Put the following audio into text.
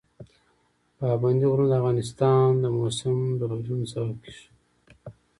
پابندي غرونه د افغانستان د موسم د بدلون سبب کېږي.